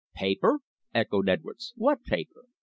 "Paper!" echoed Edwards. "What paper?"